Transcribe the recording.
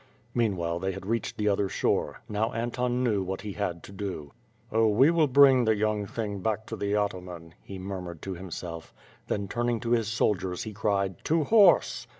Meanwhile, they had reached the other shore. Now Anton knew what he had to do. "Oh, we will bring the young thing back to the Atman," he murmured to himself; then turndng to his soldiers, he cried: "To horse."